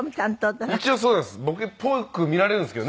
一応そうなんです。